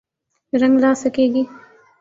رنگ لا سکے گی۔